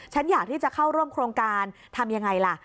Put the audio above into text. ฉันอยากที่จะเข้าร่วมโครงการทำยังไงล่ะ